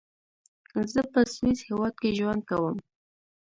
زۀ پۀ سويس هېواد کې ژوند کوم.